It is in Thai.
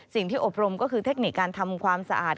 สิ่งที่อบรมก็คือเทคนิคการทำความสะอาด